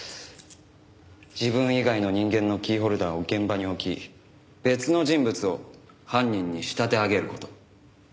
自分以外の人間のキーホルダーを現場に置き別の人物を犯人に仕立て上げる事。